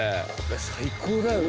最高だよね。